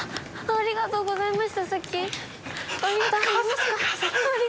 ありがとうございます。